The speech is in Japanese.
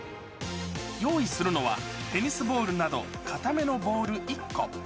用意するのは、テニスボールなど硬めのボール１個。